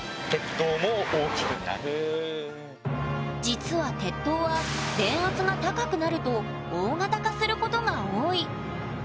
実は鉄塔は電圧が高くなると大型化することが多い。